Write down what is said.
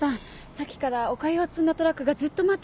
さっきからおかゆを積んだトラックがずっと待ってて。